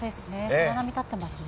白波立ってますね。